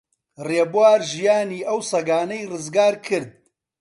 ڕێبوار ژیانی ئەو سەگانەی ڕزگار کرد.